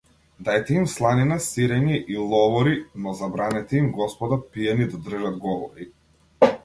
Дајте им сланина, сирење и ловори, но забранете им, господа, пијани да држат говори!